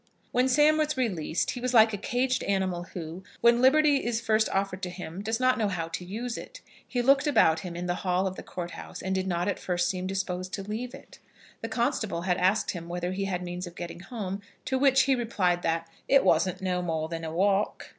When Sam was released, he was like a caged animal who, when liberty is first offered to him, does not know how to use it. He looked about him in the hall of the Court House, and did not at first seem disposed to leave it. The constable had asked him whether he had means of getting home, to which he replied, that "it wasn't no more than a walk."